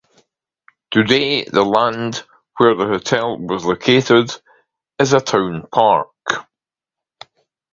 Today the land where the hotel was located is a town park.